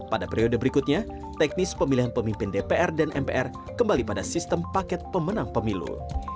pada periode berikutnya teknis pemilihan pemimpin dpr dan mpr kembali pada sistem paket pemenang pemilu